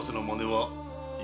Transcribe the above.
はい！